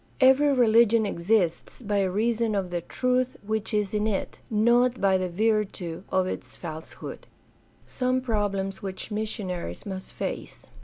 Every religion exists by reason of the truth which is in it, not by virtue of its falsehood {Report, IV, 20). Some problems which missionaries must face.